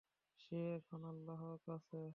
সে এখন আল্লাহ কাছে।